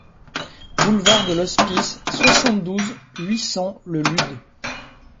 Boulevard de l'Hospice, soixante-douze, huit cents Le Lude